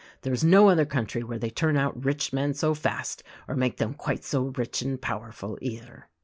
There is no other country where they turn out rich men so fast or make them quite so rich and powerful, either."